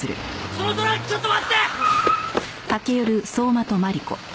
そのトラックちょっと待って！